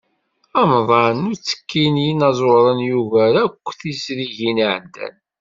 Amḍan n uttekki n yinaẓuren yugar akk tizrigin i iɛeddan.